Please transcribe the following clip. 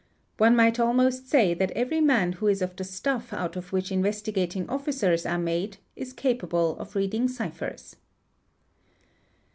One might almost say that every man who is of the stuff out of 4 which Investigating Officers are made is capable of reading ciphers.